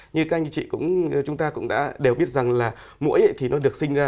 như các anh chị chúng ta cũng đã đều biết rằng là mũi thì nó được sinh ra